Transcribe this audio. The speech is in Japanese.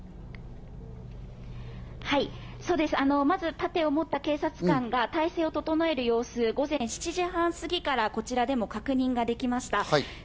まず盾を持った警察官が体制を整える様子、午前７時半過ぎからこちらでも確認ができました。